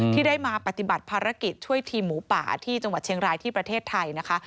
ที่ได้มาปฏิบัติภารกิจช่วยทีมหมูป่าที่จังหวัดเชียงรายที่ประเทศไทยนะคะ